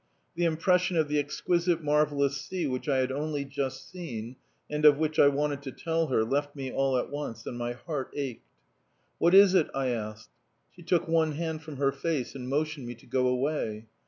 The impression of the exquisite marvellous sea which I had only just seen and of which I wanted to tell her, left me all at once, and my heart ached. "What is it?" I asked; she took one hand from her face and motioned me to go away.